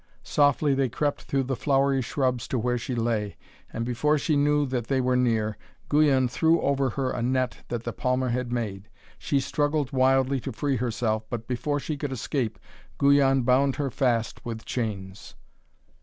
Softly they crept through the flowery shrubs to where she lay, and before she knew that they were near, Guyon threw over her a net that the palmer had made. She struggled wildly to free herself, but before she could escape, Guyon bound her fast with chains.